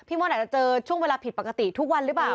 ม่อนอาจจะเจอช่วงเวลาผิดปกติทุกวันหรือเปล่า